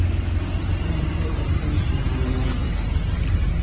¿Tzika ijekaki shimaentaki?